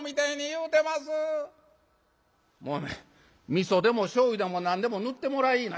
「みそでもしょうゆでも何でも塗ってもらいぃな」。